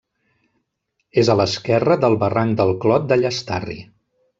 És a l'esquerra del barranc del Clot de Llastarri.